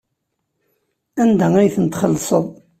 Anda ay tent-txellṣeḍ?